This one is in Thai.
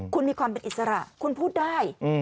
คุณมีความเป็นอิสระคุณพูดได้